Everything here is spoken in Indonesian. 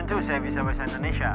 tentu saya bisa bahasa indonesia